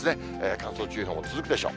乾燥注意報も続くでしょう。